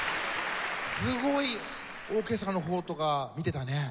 すごいオーケストラの方とか見てたね。